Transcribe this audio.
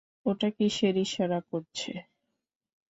ওটা কীসের ইশারা করছে?